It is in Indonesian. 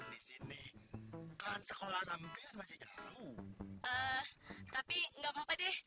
mana sempat mas